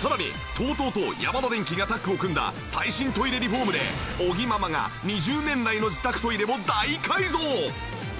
さらにＴＯＴＯとヤマダデンキがタッグを組んだ最新トイレリフォームで尾木ママが２０年来の自宅トイレを大改造！